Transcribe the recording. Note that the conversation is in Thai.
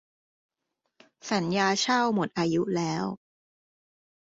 สัญญาเช่าหมดอายุแล้ว